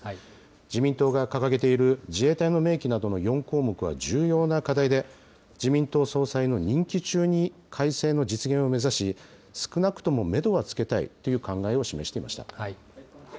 自民党が掲げている自衛隊の明記などの４項目は重要な課題で、自民党総裁の任期中に改正の実現を目指し、少なくともメドはつけたいという考えを示していました。